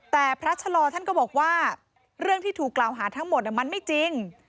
แต่พระชะลอท่านก็บอกว่าเรื่องที่ถูกกล่าวหาทั้งหมดมันไม่จริง